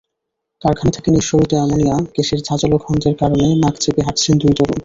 কারখানা থেকে নিঃসরিত অ্যামোনিয়া গ্যাসের ঝাঁজাল গন্ধের কারণে নাক চেপে হাঁটছেন দুই তরুণ।